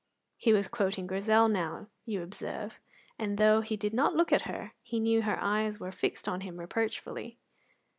He was quoting Grizel now, you observe, and though he did not look at her, he knew her eyes were fixed on him reproachfully.